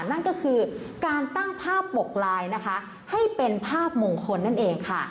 นั่นก็คือการตั้งภาพปกลายนะคะให้เป็นภาพมงคลนั่นเองค่ะ